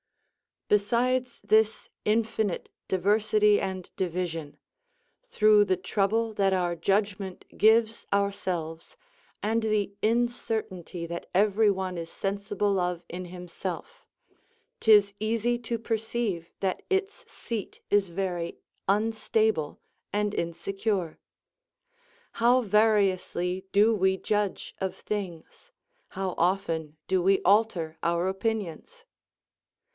Besides this infinite diversity and division, through the trouble that our judgment gives ourselves, and the incertainty that every one is sensible of in himself, 'tis easy to perceive that its seat is very unstable and insecure. How variously do we judge of things? How often do we alter our opinions?